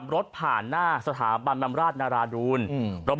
ขับรถผ่านหน้าสถาบันบรรมราชนาราดูนอืม